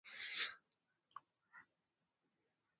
په څوارلس سوه لسم میلادي کال حاجیانو لپاره میلمستون او منار جوړ شو.